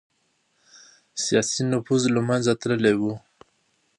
سياسي نفوذ له منځه تللی و.